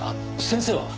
先生は？